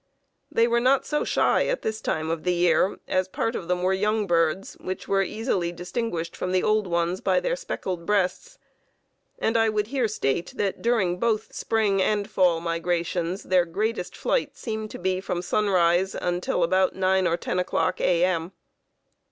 They were not so shy at this time of the year, as part of them were young birds, which were easily distinguished from the old ones by their speckled breasts; and I would here state that, during both spring and fall migrations, their greatest flight seemed to be from sunrise until about nine or ten o'clock A.M.